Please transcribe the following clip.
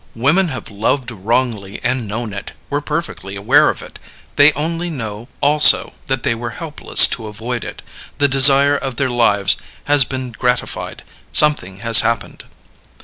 Women have loved wrongly and known it, were perfectly aware of it they only know also that they were helpless to avoid it; the desire of their lives has been gratified, something has happened.